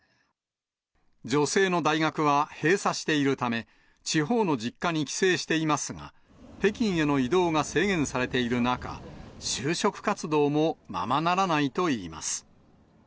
女性の大学は、閉鎖しているため、地方の実家に帰省していますが、北京への移動が制限されている中、就職活動もままならないといいます。